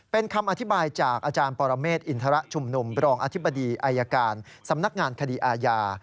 เป็นคำอธิบายจากอาจารย์ปรเมฆอินทรชุมนุมรองอธิบดีอายการสำนักงานคดีอาญา